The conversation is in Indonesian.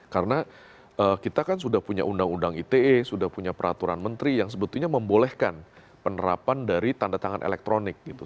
karena kita kan sudah punya undang undang ite sudah punya peraturan menteri yang sebetulnya membolehkan penerapan dari tanda tangan elektronik gitu